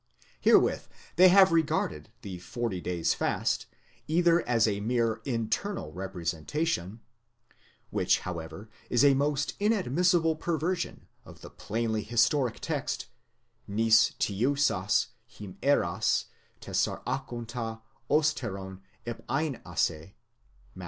Herewith they have regarded the forty days' fast either as a mere internal representation" (which, however, is a most inadmissible perversion of the plainly historic text : νηστεύσας ἡμέρας τεσσαράκοντα ὕστερον éreivace, Matt.